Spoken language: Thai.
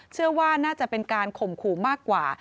เชื่อว่าน่าจะเป็นการข่มขู่มากกว่า